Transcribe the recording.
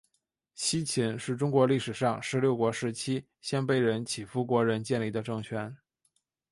西秦是中国历史上十六国时期鲜卑人乞伏国仁建立的政权。